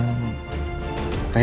dia bisa jatuhkan kepadanya